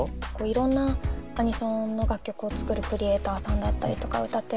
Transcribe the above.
いろんなアニソンの楽曲を作るクリエイターさんだったりとか歌っ